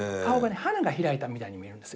花が開いたみたいに見えるんですよ